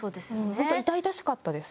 あと痛々しかったです。